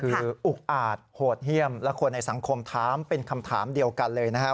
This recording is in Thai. คืออุกอาจโหดเยี่ยมและคนในสังคมถามเป็นคำถามเดียวกันเลยนะครับ